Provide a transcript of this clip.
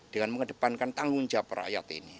dengan mengedepankan tanggung jawab rakyat ini